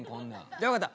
じゃあ分かった。